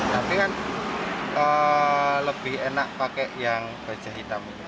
tapi kan lebih enak pakai yang baja hitam